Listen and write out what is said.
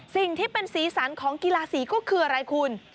สิ่งที่เป็นสีสันของกีฬาสีก็คืออะไรคุณ